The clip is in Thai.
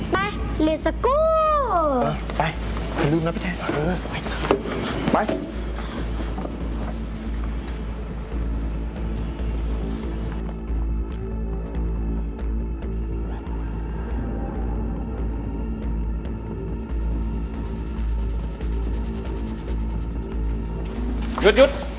ไปเรียนสกู้